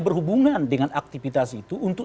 berhubungan dengan aktivitas itu untuk